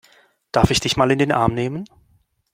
Darf ich dich mal in den Arm nehmen?